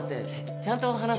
ちゃんと話そ